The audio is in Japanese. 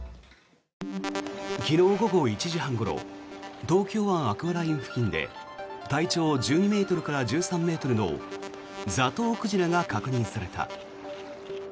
昨日午後１時半ごろ東京湾アクアライン付近で体長１２ｍから１３ｍのザトウクジラが確認された。